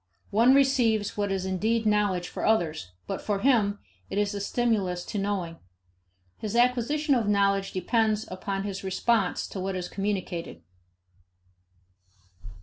one receives what is indeed knowledge for others, but for him it is a stimulus to knowing. His acquisition of knowledge depends upon his response to what is communicated.